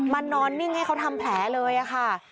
นอนนิ่งให้เขาทำแผลเลยค่ะ